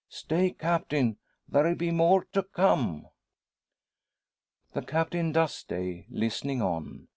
"Stay, Captain! There be more to come." The Captain does stay, listening on.